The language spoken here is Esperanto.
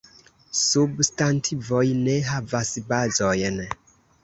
Substantivoj ne havas kazojn.